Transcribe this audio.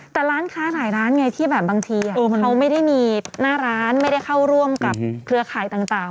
แต่ร้านค้าหลายร้านไงที่แบบบางทีเขาไม่ได้มีหน้าร้านไม่ได้เข้าร่วมกับเครือข่ายต่าง